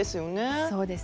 そうですね。